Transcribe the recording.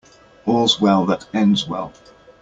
All's well that ends well.